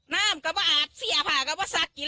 น้ำก็ไม่อาดเสียภาพก็ไม่ซากกิน